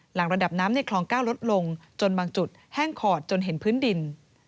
ระดับน้ำในคลอง๙ลดลงจนบางจุดแห้งขอดจนเห็นพื้นดิน